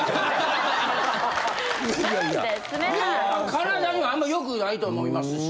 体にもあんまり良くないと思いますし。